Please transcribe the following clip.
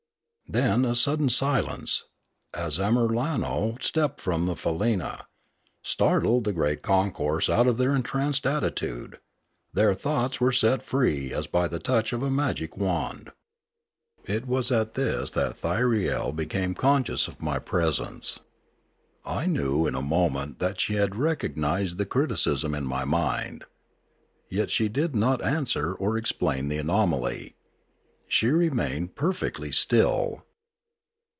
Then a sudden silence, as Amiralno stepped from the faleena, startled the great concourse out of their entranced attitude; their thoughts were set free as by the touch of a magic wand. It was at this that Thyriel became conscious of my presence. I knew in a moment that she had recog nised' the criticism in my mind. Yet she did not an swer or explain the anomaly. She remained perfectly still.